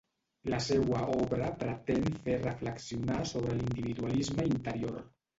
La seua obra pretén fer reflexionar sobre l’individualisme interior.